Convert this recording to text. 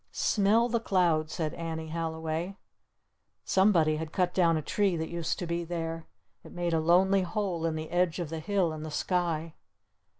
"Smell the clouds!" said Annie Halliway. Somebody had cut down a tree that used to be there. It made a lonely hole in the edge of the hill and the sky.